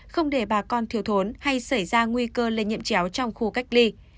không để bà con thiếu thốn hay xảy ra nguy cơ lên nhiệm chéo trong khu cách ly